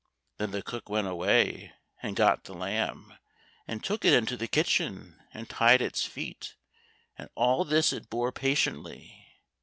Then the cook went away and got the lamb, and took it into the kitchen and tied its feet, and all this it bore patiently.